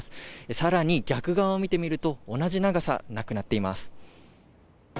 さらに逆側を見てみると、同じ長さ、なくなっています。